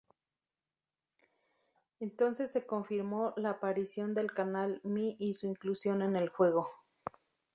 Entonces se confirmó la aparición del canal Mii y su inclusión en el juego.